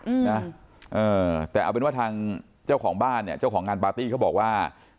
อืมนะเออแต่เอาเป็นว่าทางเจ้าของบ้านเนี่ยเจ้าของงานปาร์ตี้เขาบอกว่า